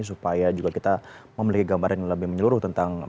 supaya juga kita memiliki gambaran yang lebih menyeluruh tentang